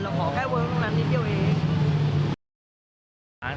เราขอแค่เวิร์คตรงนั้นที่เที่ยวเอง